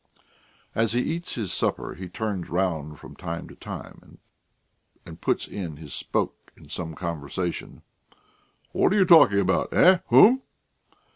As he eats his supper, he turns round from time to time and puts in his spoke in some conversation: "What are you talking about? Eh? Whom?"